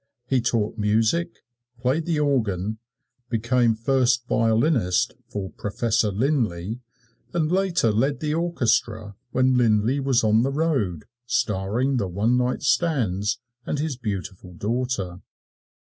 He taught music, played the organ, became first violinist for Professor Linlay and later led the orchestra when Linlay was on the road starring the one night stands and his beautiful daughter.